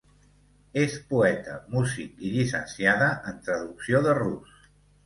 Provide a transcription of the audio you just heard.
És poeta, músic i llicenciada en traducció de rus.